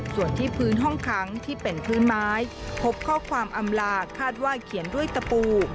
ส่วนที่พื้นห้องขังที่เป็นพื้นไม้พบข้อความอำลาคาดว่าเขียนด้วยตะปู